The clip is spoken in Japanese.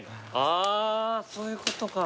あぁーそういうことか。